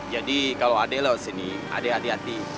jadi kalau ada lo di sini ada hati hati